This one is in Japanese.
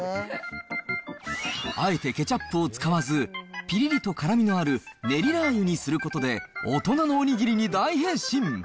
あえてケチャップを使わず、ぴりりと辛みのある練りラー油にすることで、大人のおにぎりに大変身。